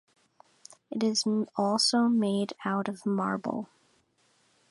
It is also made out of marble.